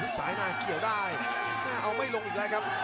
สายนายเกี่ยวได้เอาไม่ลงอีกแล้วครับ